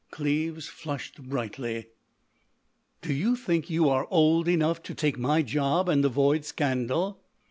Cleves flushed brightly. "Do you think you are old enough to take my job and avoid scandal?"